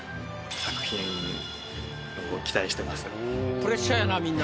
プレッシャーやなみんな。